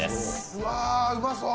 うわー、うまそう。